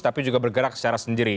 tapi juga bergerak secara sendiri